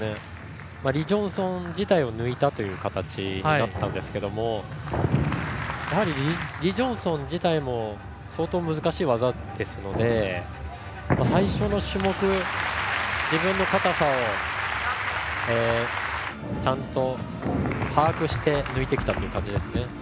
リ・ジョンソン自体を抜いたという形になったんですがやはり、リ・ジョンソン自体も相当難しい技ですので最初の種目、自分の硬さをちゃんと把握して抜いてきたという感じですね。